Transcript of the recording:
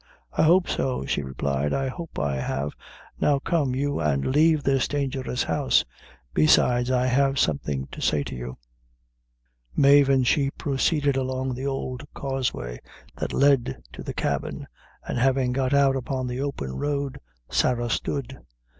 "I hope so," she replied, "I hope I have now come you and leave this dangerous house; besides I have something to say to you." Mave and she proceeded along the old causeway that led to the cabin, and having got out upon the open road, Sarah stood.